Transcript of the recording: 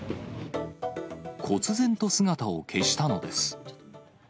こつ然と姿を消したのです。